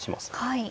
はい。